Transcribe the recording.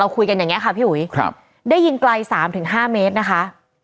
เราคุยกันอย่างเงี้ยค่ะพี่หวยครับได้ยินไกลสามถึงห้าเมตรนะคะ